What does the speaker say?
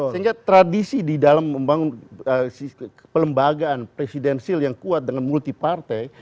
sehingga tradisi di dalam membangun kelembagaan presidensil yang kuat dengan multi partai